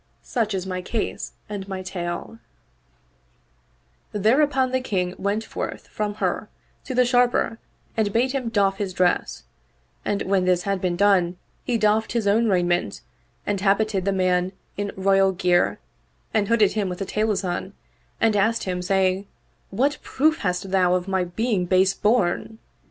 Such is my case and my tale/' There upon the King went forth from her to the Sharper and bade him doff his dress, and when this had been done he doffed his own raiment and habited the man in royal gear and hooded him with the Taylasan and asked him saying, "What proof hast thou of my being base born?"